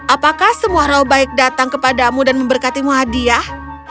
apakah semua roll baik datang kepadamu dan memberkatimu hadiah